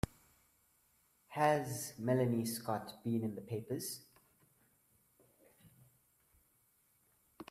Has Melanie Scott been in the papers?